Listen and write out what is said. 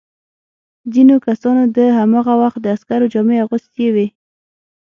ځینو کسانو د هماغه وخت د عسکرو جامې اغوستي وې.